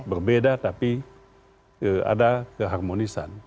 berbeda tapi ada keharmonisan